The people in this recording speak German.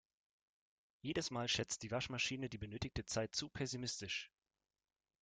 Jedes Mal schätzt die Waschmaschine die benötigte Zeit zu pessimistisch.